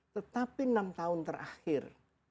tetapi enam tahun terakhir